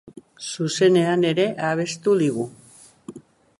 Zuzenean ere abestu digu.